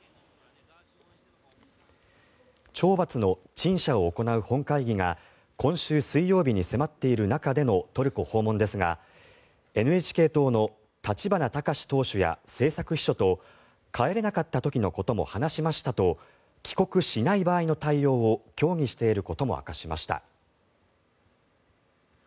懲罰の陳謝を行う本会議が今週水曜日に迫っている中でのトルコ訪問ですがＮＨＫ党の立花孝志党首や政策秘書と帰れなかった時のことも話しましたと帰国しない場合の対応を協議していることも明かしました。